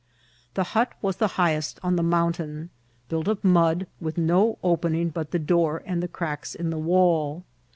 The hut was the highest on the mountain, built of mud, with no caning but the door and the cracks in the wall.